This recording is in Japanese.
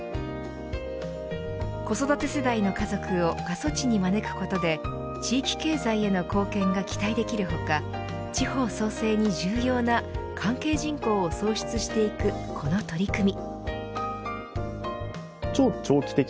子育て世代の家族を過疎地に招くことで地域経済への貢献が期待できる他地方創生に重要な関係人口を創出していくこの取り組み。